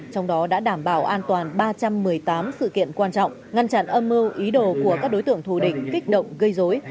trong đó đã đảm bảo an toàn ba trăm một mươi tám sự kiện quan trọng ngăn chặn âm mưu ý đồ của các đối tượng thù địch kích động gây dối